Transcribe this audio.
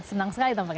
senang sekali tampaknya